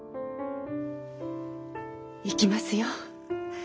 行きますよ。